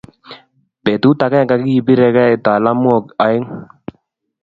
Butut agenge kibiregei talamwok aeng